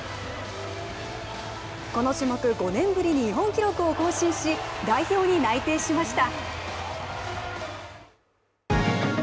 この種目５年ぶりに日本記録を更新し、代表に内定しました。